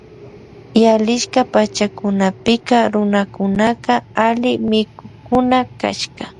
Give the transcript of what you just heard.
Yalisha pachakunapika runakunaka alli mikukkuna kashka.